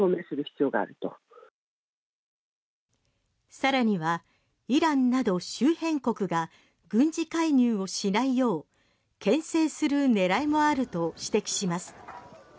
更にはイランなど周辺国が軍事介入をしないようけん制する狙いもあると指摘します。